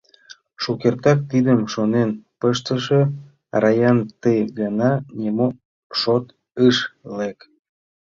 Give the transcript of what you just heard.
Шукертак тидым шонен пыштыше Раян ты гана нимо шот ыш лек.